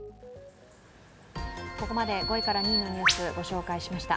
ここまで５位から２位のニュース、ご紹介しました。